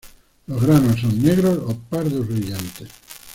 Los granos son negros o pardos brillantes.